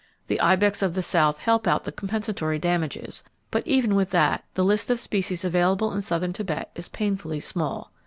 The ibex of the south help out the compensatory damages, but even with that, the list of species available in southern Tibet is painfully small.